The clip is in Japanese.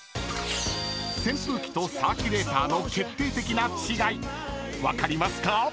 ［扇風機とサーキュレーターの決定的な違い分かりますか？］